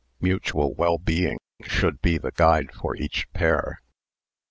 Mutual well being should be the guide for each pair.